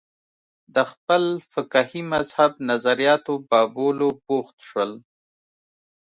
د خپل فقهي مذهب نظریاتو بابولو بوخت شول